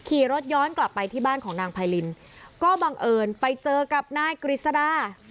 ขี่รถย้อนกลับไปที่บ้านของนางไพรินก็บังเอิญไปเจอกับนายกฤษดา